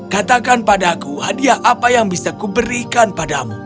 katakan padaku hadiah apa yang bisa kuberikan padamu